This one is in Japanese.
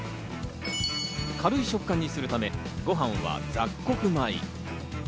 軽い食感にするため、ご飯は雑穀米。